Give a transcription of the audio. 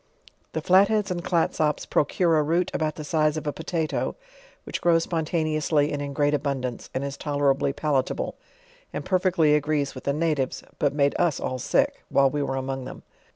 The Flatheads and Clatsops procure a root about the size of a potatoe, which grows spontaneously and in great abun dance, and is tolerably palatable, and perfectly agrees with the natives; but made us all sick, while we were among them.